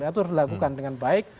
itu harus dilakukan dengan baik